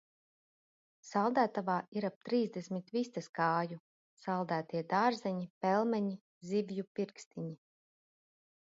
Saldētavā ir ap trīsdesmit vistas kāju. Saldētie dārzeņi, pelmeņi, zivju pirkstiņi.